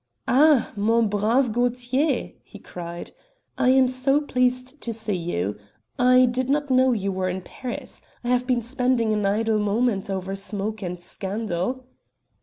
"Ah! mon brave Gaultier," he cried, "I am so pleased to see you. I did not know you were in Paris. I have been spending an idle moment over smoke and scandal."